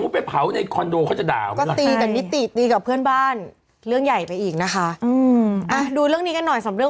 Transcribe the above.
ไปเตาอังโล่ให้บืนประหยัดความคิดมนุษย์บังเถอ